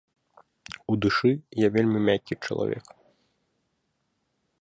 У душы я вельмі мяккі чалавек.